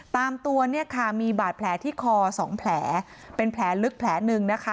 ตามตัวมีบาดแผลที่คอ๒แผลเป็นแผลลึกแผลนึกนะคะ